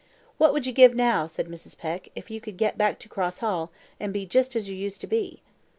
"What would you give now," said Mrs. Peck, "if you could get back to Cross Hall, and be just as you used to be?"